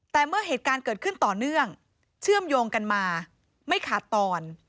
แต่เมื่อเหตุการณ์เกิดขึ้นต่อเนื่องเชื่อมโยงกันมาไม่ขาดตอน